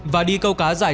và đi câu cá dài